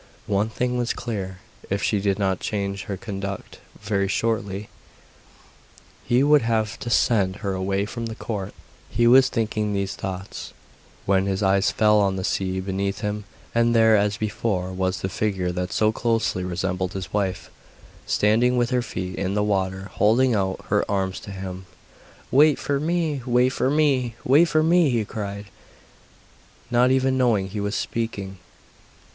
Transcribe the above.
One thing was clear, if she did not change her conduct very shortly he would have to send her away from court. He was thinking these thoughts, when his eyes fell on the sea beneath him, and there, as before, was the figure that so closely resembled his wife, standing with her feet in the water, holding out her arms to him. 'Wait for me! Wait for me! Wait for me!' he cried; not even knowing he was speaking.